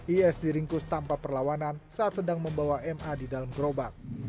is diringkus tanpa perlawanan saat sedang membawa ma di dalam gerobak